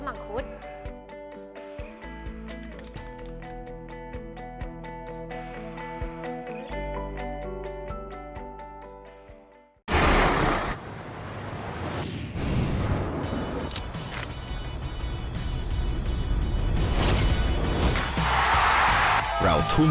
มังคุด